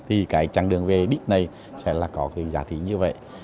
thì cái chặng đường về đích này sẽ là có cái giá trị như vậy